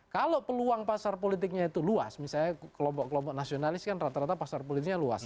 kalau peluang pasar politiknya itu luas misalnya kelompok kelompok nasionalis kan rata rata pasar politiknya luas